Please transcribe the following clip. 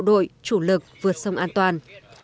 đội chủ lực vượt sông an toàn